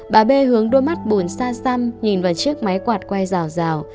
bà b hướng đôi mắt buồn xa xăm nhìn vào chiếc máy quạt quay rào rào